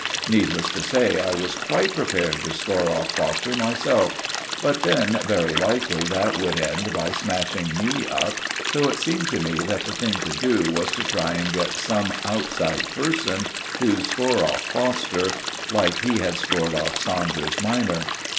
Needless to say, I was quite prepared to score off Foster myself; but then, very likely that would end by smashing me up, so it seemed to me that the thing to do was to try and get some outside person to score off Foster, like he had scored off Saunders minor.